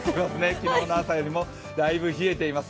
昨日の朝よりもだいぶ冷えています。